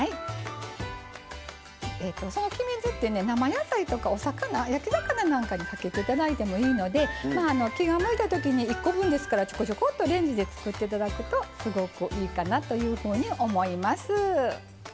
その黄身酢ってね生野菜とかお魚焼き魚なんかにかけて頂いてもいいので気が向いた時に１個分ですからちょこちょこっとレンジで作って頂くとすごくいいかなというふうに思います。